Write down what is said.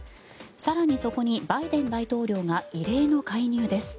更に、そこにバイデン大統領が異例の介入です。